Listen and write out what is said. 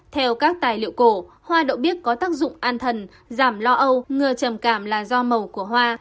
theo các tài liệu cổ hoa đậu bích có tác dụng an thần giảm lo âu ngừa trầm cảm là do màu của hoa